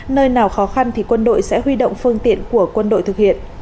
nơi nào khó khăn thì quân đội sẽ huy động phương tiện của quân đội thực hiện